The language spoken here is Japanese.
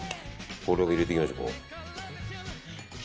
これを入れていきましょう。